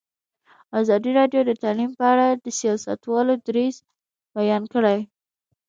ازادي راډیو د تعلیم په اړه د سیاستوالو دریځ بیان کړی.